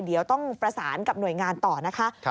เดี๋ยวต้องประสานกับหน่วยงานต่อนะคะ